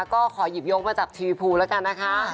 ก็ขอยีบยกมาจากทีพูละกันนะคะ